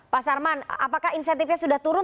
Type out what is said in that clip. pak sarman apakah insentifnya sudah turun